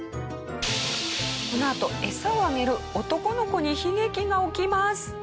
このあとエサをあげる男の子に悲劇が起きます。